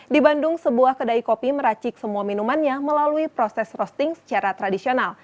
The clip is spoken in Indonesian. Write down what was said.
di bandung sebuah kedai kopi meracik semua minumannya melalui proses roasting secara tradisional